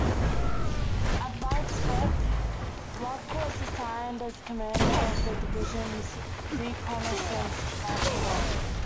At Vitebsk, Luck was assigned as commander of the division's reconnaissance battalion.